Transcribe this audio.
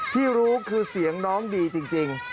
ที่รู้คือเสียงน้องดีจริง